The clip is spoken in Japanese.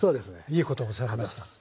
いいことを教わりました。